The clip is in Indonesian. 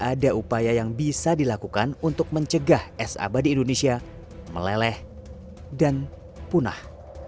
ada upaya yang bisa dilakukan untuk mencegah es abadi indonesia meleleh dan punah